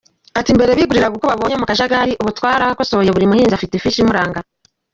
Ati« mbere biguriraga uko babonye mu kajagari, ubu twarakosoye buri muhinzi afite ifishi imuranga.